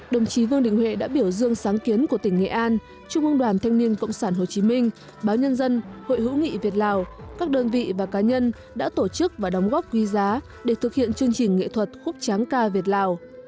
đồng chí vương đình huệ đã biểu dương sáng kiến của tỉnh nghệ an trung ương đoàn thanh niên cộng sản hồ chí minh báo nhân dân hội hữu nghị việt lào các đơn vị và cá nhân đã tổ chức và đóng góp quý giá để thực hiện chương trình nghệ thuật khúc tráng ca việt lào